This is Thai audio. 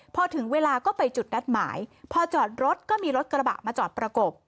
พอถึงเวลาก็ไปจุดนัดหมายพอจอดรถก็มีรถกระบะมาจอดประกบ